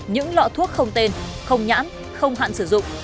những lọ thuốc không tên không nhãn không hạn sử dụng